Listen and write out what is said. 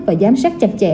và giám sát chặt chẽ